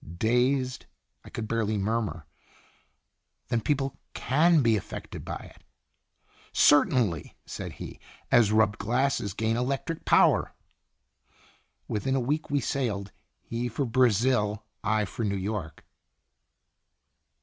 " Dazed, I could barely murmur: "Then people can be affected by it !"" Certainly," said he, "as rubbed glasses gain electric power." Within a week we sailed he for Brazil, I for New York.